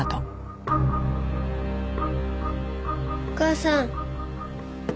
お母さん。